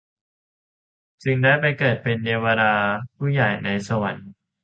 จึงได้ไปเกิดเป็นเทวดาผู้ใหญ่ในสวรรค์